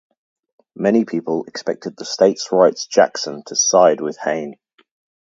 Many people expected the states' rights Jackson to side with Hayne.